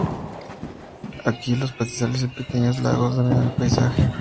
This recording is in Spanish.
Aquí, los pastizales y pequeños lagos dominan el paisaje.